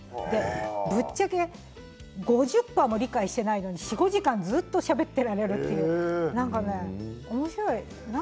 ぶっちゃけ５０％も理解していないのに４時間でも５時間でもずっとしゃべっていられるっておもしろいですよ。